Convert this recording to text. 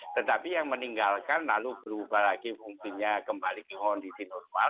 tetapi yang meninggalkan lalu berubah lagi fungsinya kembali ke kondisi normal